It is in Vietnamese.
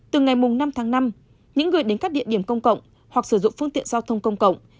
từ ngày năm tháng năm những người đến các địa điểm công cộng hoặc sử dụng phương tiện giao thông công cộng